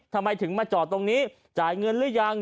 ทำไมถึงมาจอดตรงนี้จ่ายเงินหรือยัง